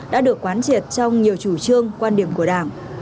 đã được quán triệt trong nhiều chủ trương quan điểm của đảng